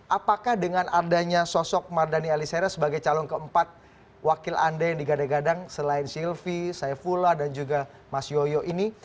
apakah dengan adanya sosok mardhani alisera sebagai calon keempat wakil anda yang digadang gadang selain sylvi saifullah dan juga mas yoyo ini